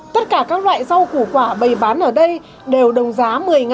tất cả các loại rau củ quả bày bán ở đây đều đồng giá một mươi đồng